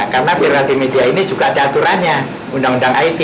karena viral di media ini juga ada aturannya undang undang it